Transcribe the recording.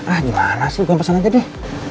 ah gimana sih gue pesen aja deh